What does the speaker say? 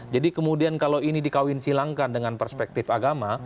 jadi kemudian kalau ini dikawinsilangkan dengan perspektif agama